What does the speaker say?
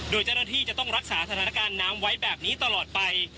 โดยเจ้าหน้าที่จะต้องรักษาสถานการณ์น้ำไว้แบบนี้ตลอดไป